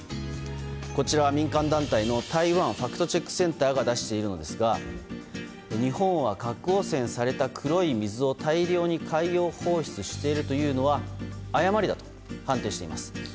こちらは、民間団体の台湾ファクトチェックセンターが出しているのですが日本は核汚染された黒い水を大量に海洋放出しているというのは誤りだと判定しています。